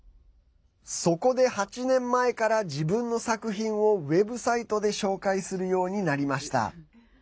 そこで８年前から自分の作品をウェブサイトで紹介するようになりました。